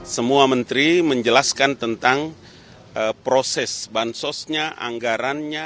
semua menteri menjelaskan tentang proses bansosnya anggarannya